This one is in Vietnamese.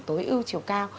tối ưu chiều cao